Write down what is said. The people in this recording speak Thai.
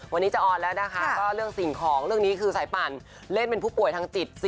วันนี้จะออนแล้วนะคะก็เรื่องสิ่งของเรื่องนี้คือสายปั่นเล่นเป็นผู้ป่วยทางจิต